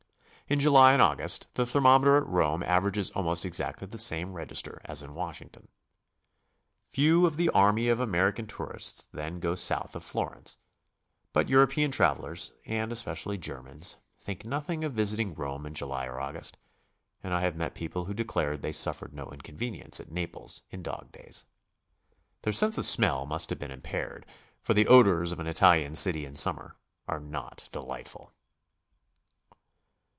In July and August the thermometer at Rome averages almost exactly the same register as in Washington. Few of the army of American tourists then go south of Florence, but European travelers, and especially Germans, think nothing of visiting Rome in July or August, and I have met people who declared they suffered no inconvenience at Naples in dog days. Their sense of smell must have been impaired, for the odors of an Italian city in summer are not delightful.